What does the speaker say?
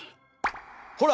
ほら！